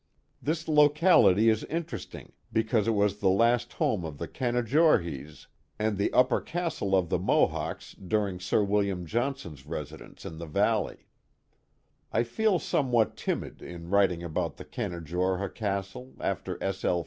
This locality is interesting because it was the last home of the Canajorhees, and the upper castle of the Canajoharie — The Hills of Florida 385 Mohawks during Sir William Johnson's residence in the valley. I feel somewhat timid in writing about the Canajorha Castle after S. L.